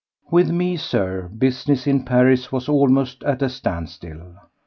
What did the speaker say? With me, Sir, business in Paris was almost at a standstill.